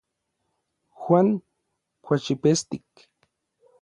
Juan kuaxipestik.